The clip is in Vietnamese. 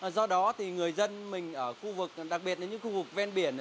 do đó thì người dân mình ở khu vực đặc biệt là những khu vực ven biển